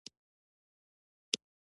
د زندان ډبله دروازه وچونګېده.